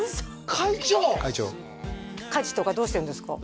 会長家事とかどうしてるんですか？